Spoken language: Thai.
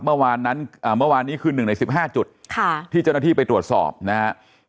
เมื่อวานนี้คือ๑ใน๑๕จุดที่เจ้าหน้าที่ไปตรวจสอบนะครับ